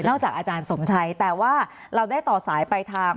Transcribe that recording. จากอาจารย์สมชัยแต่ว่าเราได้ต่อสายไปทาง